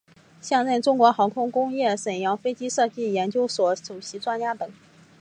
现任中国航空工业沈阳飞机设计研究所首席专家等。